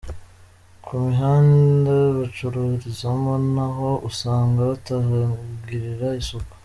Ku mihanda bacururizamo naho usanga batahagirira isuku.